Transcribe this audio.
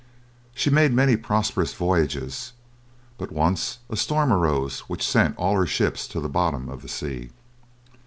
She made many prosperous voyages, but once a storm arose which sent all her ships to the bottom of the sea.